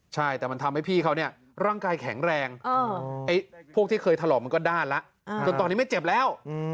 ใช่แต่มันทำให้พี่เขาเนี่ยร่างกายแข็งแรงพวกที่เคยถลอกมันก็ด้านแล้วจนตอนนี้ไม่เจ็บแล้ว